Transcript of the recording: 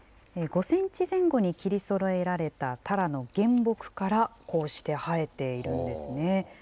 ５センチ前後に切りそろえられたタラの原木から、こうして生えているんですね。